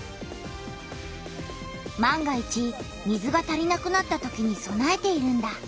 万が一水が足りなくなったときにそなえているんだ。